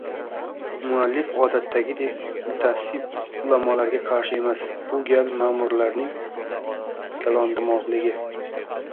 muallif odatdagidek mutaassib ulamolarga qarshi emas, bu gal ma`murlarning kalondimog'ligi